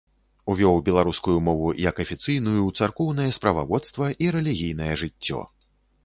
Увёў беларускую мову як афіцыйную ў царкоўнае справаводства і рэлігійнае жыццё.